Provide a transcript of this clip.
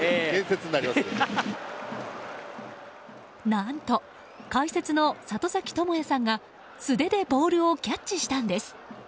何と、解説の里崎智也さんが素手でボールをキャッチしたんです。